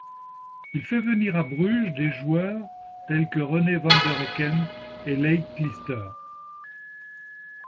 Il fait venir à Bruges des joueurs tels que René Vandereycken et Lei Clijsters.